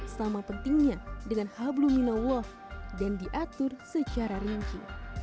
sama pentingnya dengan hablum minallah dan diatur secara rinci